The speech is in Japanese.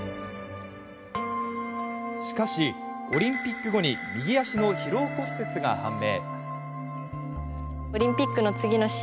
しかし、オリンピック後に右足の疲労骨折が判明。